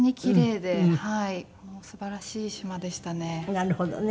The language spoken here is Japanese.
なるほどね。